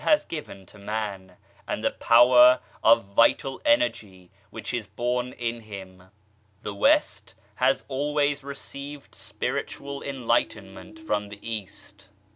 has given to Man, and the power of vital energy which is born in him. The West has always received Spiritual enlightenment from the East.